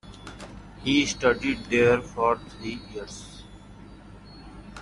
He studied there for three years.